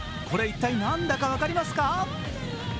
これ、一体何だか分かりますか？